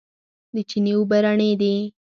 د چينې اوبه رڼې دي.